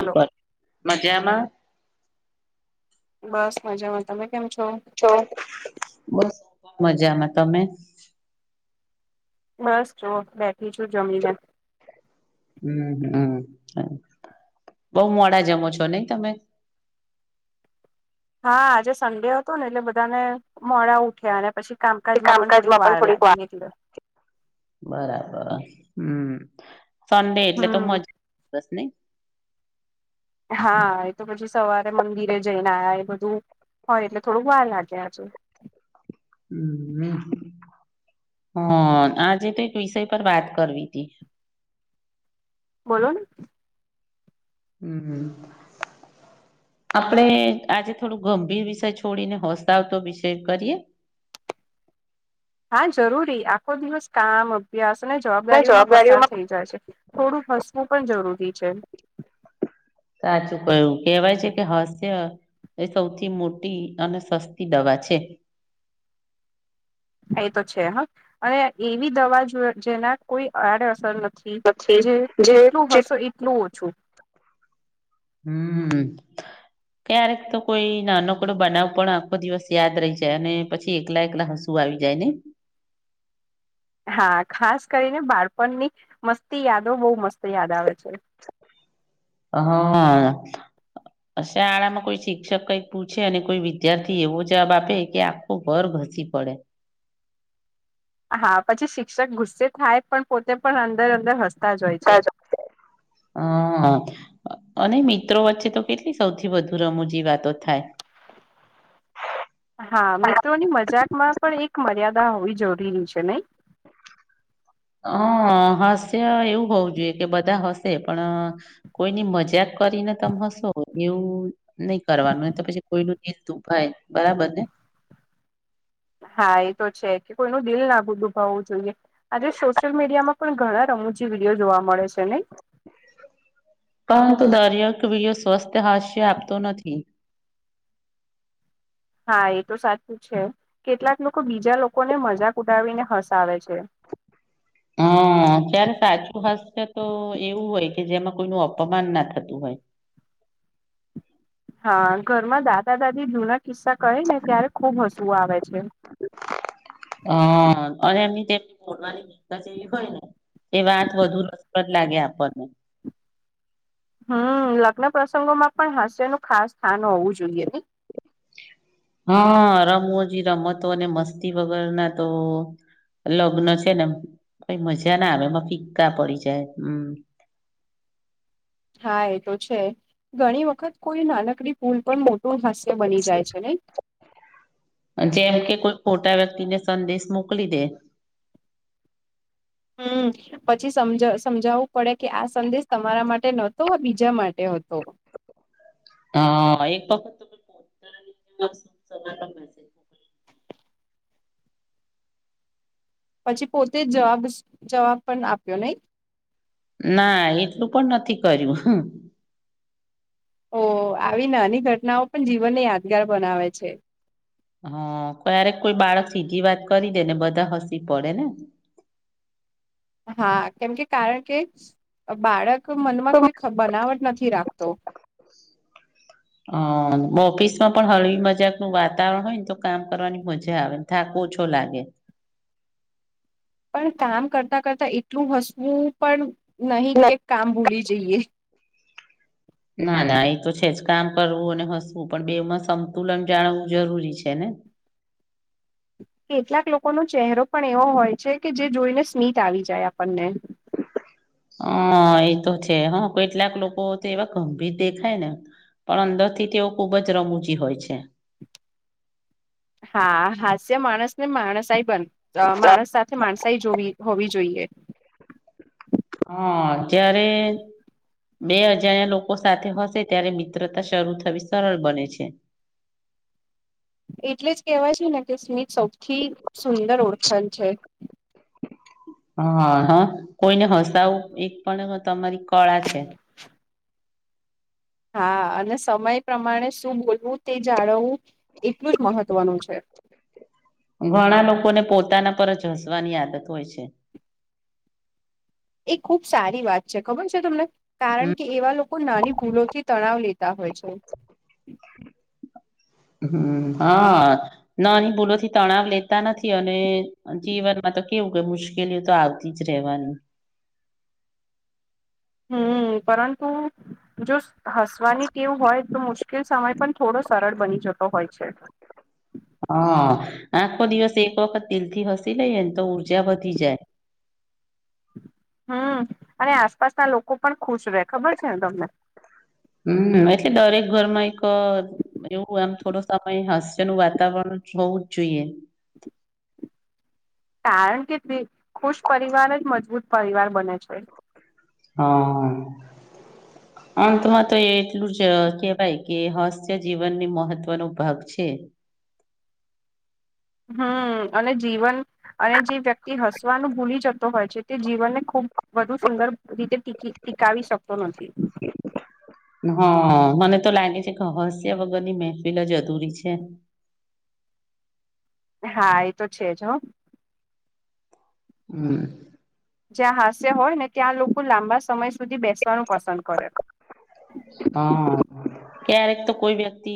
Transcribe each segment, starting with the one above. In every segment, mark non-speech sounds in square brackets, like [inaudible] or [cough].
Hello [inaudible] મજામાં. બસ મજામાં તમે કેમ છો. બસ મજામાં તમે. બસ જુઓ બેઠી છું જમીને. હમ હમ બવ મોડા જમો છો નઈ તમે. હા આજે સન્ડે હતો ને એટલે બધાને મોડા ઉઠ્યા અને પછી કામકાજ માં પણ થોડીક વાર લાગી એટલે બરાબર હમ સન્ડે એટલે તો હમ મજા બસ નઈ હા એ તો પછી સવારે મંદિરે જઈને આયા એ બધું હોય એટલે થોડુંક વાર લાગે આજુ હ હ આજે તો એક વિષય પર વાત કરવી હતી બોલોને હમ હમ આપડે આજે થોડુ ગંભીર વિષય છોડીને હસતાવતો વિષય કરીએ હા જરૂરી આખો દિવસ કામ અભ્યાસ અને જવાબદારીઓમાં પસાર થઈ જાય છે. થોડું હસવું પણ જરૂરી છે. સાચું કહ્યું કેહેવાય છે કે હાસ્ય એ સૌથી મોટી અને સસ્તી દવા છે. એ તો છે હ અને એવી દવા જો જેના કોઈ આડ અસર ન થી જે જેટલું હશો એટલું ઓછું હમ હમ ક્યારેક તો કોઈ નાનોકડો બનાવ પણ આખો દિવસ યાદ રહી જાય અને પછી એકલા એકલા હ શું આવી જાય ને હા ખાસ કરીને બાળપણની મસ્તી યાદો બહુ મસ્ત યાદ આવે છે. અહ હ શાળામાં કોઈ શિક્ષક કઈક પૂછે અને કોઈ વિદ્યાર્થી એવો જવાબ આપે કે [unintelligible] હસી પડે હા પછી શિક્ષક ગુસ્સે થાય પણ પોતે પણ અંદર અંદર હસતા જ હોય છે. હમ અને મિત્રો વચ્ચે તો કેટલી સૌથી વધુ રમૂજી વાતો થાય હા મિત્રોની મજાકમાં પણ એક મર્યાદા હોવી જરૂરી છે નહી અ હાસ્ય એવું હોવું જોઈએ કે બધા હશે પણ કોઈની મજાક કરીને તમે હશો એવું નઈ કરવાનું એ તો પછી કોઈનું [unintelligible] ભાઈ બરાબર ને હા એ તો છે કે કોઈ નું દિલ ના ભુ દુભાવવું જોઈએ આજે સોશિયલ મીડિયામાં પણ ઘણા રમૂજી વિડીયો જોવા મળે છે નઈ પરંતુ દરયેક વીડીયો સ્વસ્થ હાસ્ય આપતો નથી હા એ તો સાચું છે કેટલાક લોકો બીજા લોકોને મજાક ઉડાવીને હસાવે છે. હ ત્યારે સાચું હાસ્ય તો એવું હોય કે જેમાં કોઈનું અપમાન ના થતું હોય હા ઘરમાં દાદા દાદી જુના કિસ્સા કહે ને ત્યારે ખુબ હસવું આવે છે. હ અને એમની [unintelligible] બોલવાની રીત જ એવી હોયને એ વાત વધુ રસપ્રદ લાગે આપણને હમ લગ્ન પ્રસંગોમાં પણ હાસ્યનું ખાસ સ્થાન હોવું જોઈએ નઈ હા રમૂજી રમતો અને મસ્તી વગરના તો લગ્ન છે ને કઈ મજા ના આવે એમાં ફિક્કા પડી જાય હમ હા એ તો છે ઘણી વખત કોઈ નાનકડી ભૂલ પણ મોટું હાસ્ય બની જાય છે નઈ જેમ કે કોઈ ખોટા વ્યક્તિને સંદેશ મોકલી દે હમ પછી સમજ સમજાવું પડે કે આ સંદેશ તમારા માટે નહતો બીજા માટે હતો અ એક વખત પછી પોતે જ જવાબ જવાબ પણ આપ્યો નહી ના એટલું પણ નથી કર્યું હ ઓ આવી નાની ઘટનાઓ પણ જીવનને યાદગાર બનાવે છે હા ક્યારેક કોઈ બાળક સીધી વાત કરી દે ને બધા હસી પડે ને હા કેમકે કારણ કે બાળક મનમાં કોઈ બનાવટ નથી રાખતો [inaudible] હ ઓફિસ માં પણ હળવી મજાક નું વાતાવરણ હોય ને તો કામ કરવાની મજા આવે થાક ઓછો લાગે પણ કામ કરતા કરતા એટલું હસવું પણ નહી કે કામ ભૂલી જઈએ ના ના એ તો છે જ કામ કરવું અને હસવું પણ બેમાં સંતુલન જાણવું જરૂરી છે ને કેટલાક લોકોનો ચહેરો પણ એવો હોય છે કે જે જોઈને સ્મિત આવી જાય આપણને હ એતો છે હા કેટલાક લોકો તો એવા ગંભીર દેખાય ને પણ અંદર થી તેઓ ખુબ જ રમૂજી હોય છે હા હાસ્ય માણસ ને માણસાઈ બન માણસ સાથે માણસાઈ જોવી હોવી જોઈએ હા અત્યારે બે અજાણ્યા લોકો સાથે હશે ત્યારે મિત્રતા શરૂ થવી સરળ બને છે એટલે જ કહેવાય છે ને કે સ્મિત સૌથી સુંદર ઓળખાણ છે હ હ કોઈને હસાવું એક પણ તમારી કળા છે હા અને સમય પ્રમાણે શું બોલવું તે જાળવવું એટલું જ મહત્વનું છે ઘણા લોકોને પોતાના પર જ હસવાની આદત હોય છે એ ખુબ સારી વાત છે ખબર છે તમને કારણ કે એવા લોકો નાની ભૂલોથી તણાવ લેતા હોય છે હમ હા ના ભૂલોથી તણાવ લેતા નથી અને જીવન માં તો કેવું મુશ્કેલીઓ તો આવતી જ રહેવાની હમ પરંતુ જો હસવાની ટેવ હોય તો મુશ્કેલ સમય પણ થોડો સરળ બની જતો હોય છે હ આખો દિવસ એક વખત દિલ થી હસી લઈએ ને તો ઊર્જા વધી જાય હમ અને આસપાસના લોકો પણ ખુશ રહે ખબર છે ને તમને હમ એટલે દરેક ઘરમાં એક એવું આમ થોડો સમય હાસ્ય નું વાતાવરણ હોવું જ જોઈએ કારણ કે તે ખુશ પરિવાર જ મજબૂત પરિવાર બને છે હા [inaudible] તો એટલું જ કહેવાય કે હાસ્ય મહત્વનો ભાગ છે હમમ અને જીવન અને જે વ્યક્તિ હસવાનું ભૂલી જતો હોય છે તે જીવનને ખૂબ સુંદર રીતે બી ટીકવી શકતો નથી [inaudible] હા મને તો લાગે છે કે હાસ્ય વગરની મહેફિલ જ અધુરી છે હા એ તો છે જ હ [inaudible] હમ જ્યાં હાસ્ય હોય ને ત્યાં લોકો લાંબા સમય સુધી બેસવાનું પસંદ કરે હા ક્યારેક તો કોઈ વ્યક્તિ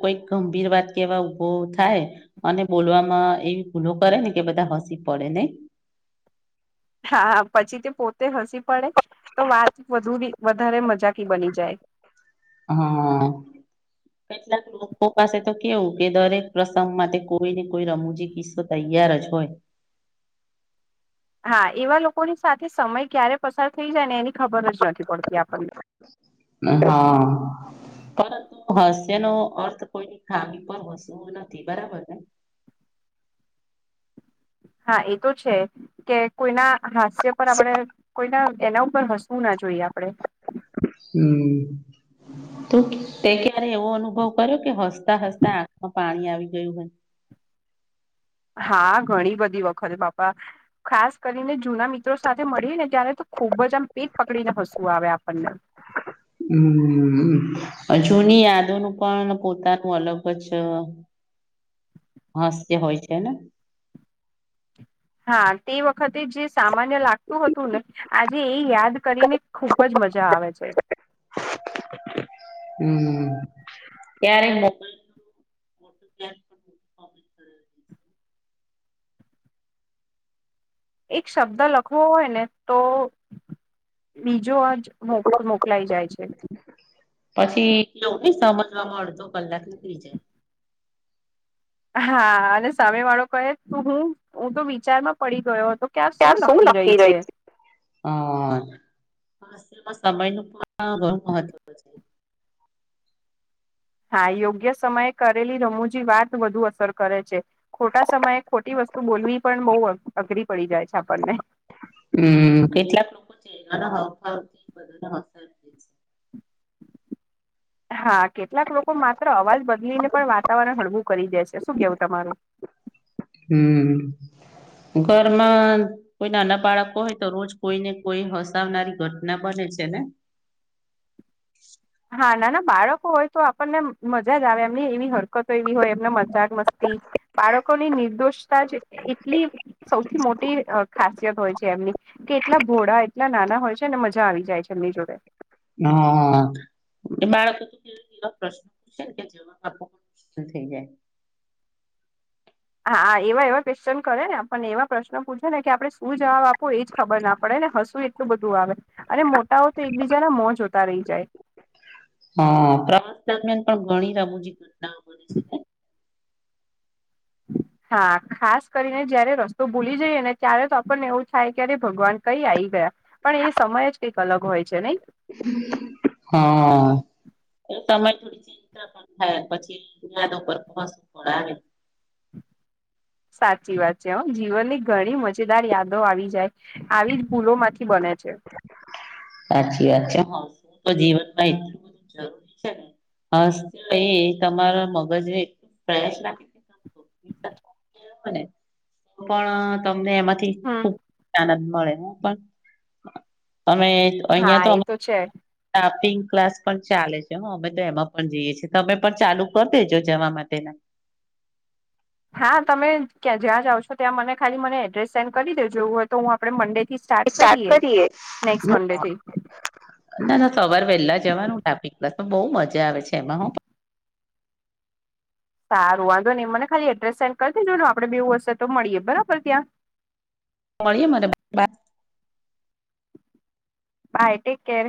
કોઈક ગંભીર વાત કેવા ઊભો થાય અને બોલવામાં એવી ભૂલો કરે ને કે બધા હસી પડે નઈ હા પછી તે પોતે હસી પડે તો વાત વધુ વધારે મજાકી બની જાય. હા [unintelligible] કોક પાસે તો કેવું કે દરેક પ્રસંગમાં તે કોઈ ને કોઈ રમૂજી કિસ્સો તૈયાર જ હોય હા એવા લોકોની સાથે સમય ક્યારે પસાર થઈ જાય ને એની ખબર જ નથી પડતી આપણને હા. પરંતુ હાસ્ય અર્થ કોઈ ખામી પર હસવુ નથી બરાબર ને હા એ તો છે કે કોઈના હાસ્ય પર આપડે કોઈના એના ઉપર હસવું ના જોઈએ આપડે હમ્મ. તો તે ક્યારે એવો અનુભવ કર્યો કે હસતા હસતા આંખમાં પાણી આવી ગયું હોય હા ઘણી બધી વખત બાપા ખાસ કરીને જૂના મિત્રો સાથે મળી ને ત્યારે તો ખુબ જ આમ પેટ પકડી ને હસવું આવે આપણને હમ્મ જૂની યાદોનું પણ પોતાનું અલગ જ [inaudible] હાસ્ય હોય છે ને હા તે વખતે જે સામાન્ય લાગતું હતું ને આજે એ યાદ કરીને ખુબ જ મજા આવે છે. હમ્મ ત્યારે લો એક શબ્દ લખવો હોયને તો બીજો અર્થ મો મોકલાઈ જાય છે. પછીએ ને સમજવામાં અડધો કલાક થઈ જાય હા અને સામે વાળો કહે હું હું તો વિચારમાં પડી ગયો હતો કે આ શું લખી રહી છે. હ સમય નું પણ ઘણુ મહત્વ [unintelligible] હા યોગ્ય સમયે કરેલી રમૂજી વાત વધુ અસર કરે છે. ખોટા સમયે ખોટી વસ્તુ બોલવી પણ બહુ અઘરી પડી જાય છે આપણને હમ્મ કેટલાક લોકો છે ના [unintelligible] હા કેટલાક લોકો માત્ર અવાજ બદલીને પણ વાતાવરણ હળવું કરી દે છે શું કેવું તમારું હમ્મ ઘરમાં કોઈ નાના બાળકો હોય તો રોજ કોઈને કોઈ હસાવનારી ઘટના બને છે ને હા ના ના બાળકો હોય તો આપણને મજા જ આવે એમની એવી હરકતો એવી હોય એમને મજાક મસ્તી બાળકોની નિર્દોષતા જ એટલી સૌથી મોટી તે ખાસિયત હોય છે એમની કે એટલા ભોળા એટલા નાના હોય છે અને મજા આવી જાય છે એમની જોડે હા બાળકો તો કે એવા પ્રશ્ન પૂછશે ને કે જવાબ આપો થઈ જાય હા એવા એવા ક્વેશ્ચન કરે ને આપણને એવા પ્રશ્નો પૂછે ને કે આપણે શું જવાબ આપવો એ જ ખબર ના પડે ને હશું બધું આવે અને મોટાઓ તો એકબીજાના મો જોતા રહી જાય હા પ્રવાસ દરમિયાન પણ ઘણી રમુજી ઘટનાઓ બને છે ને [inaudible] હા ખાસ કરીને જયારે રસ્તો ભૂલી જઈએ ને ત્યારે તો આપણને એવું થાય કે અરે ભગવાન કઈ આવી ગયા પણ એ સમય જ કંઈક અલગ હોય છે નહી હા એ તમે [inaudible] થાય પછી [unintelligible] સાચી વાત છે હ જીવનની ઘણી મજેદાર યાદો આવી જાય આવી જ ભૂલો માંથી બને છે સાચી વાત છે હા તો જીવનમાં કાઈ જરૂરી છે ને હે એ તમારા મગજ નેે ફ્રેશ અને પણ તમને એમાંથી હમ. ખુબ આનંદ મળે પણ તમે અહિયા હા તો એ અમ તો છે લાફીંગ ક્લાસ પણ ચાલે છે હ અમે એમાં પણ જઈએ તમે પણ ચાલુ કરી દેજો જવા માટેના હા તમે કયા જ્યાં જાવ છો ત્યાં મને ખાલી મને એડ્રેસ સેન્ડ કરી દેજો વો તો હું આપણેે મંડેથી સ્ટાર્ટ કરીએ નેક્સ્ટ મંડેથી ના ના સવાર વહેલા જવાનું લફિંગ કલાસમાં બહુ મજા આવે છે એમાં હ સારું વાંધો નહી મને ખાલી એડ્રેસ સેન્ડ કરી દેજોને આપણે બેવ એવું હશે તો મળીએ બરાબર ત્યાં મળીએ મને બા બાય ટેક કેર